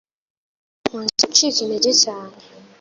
nkunze gucika intege cyane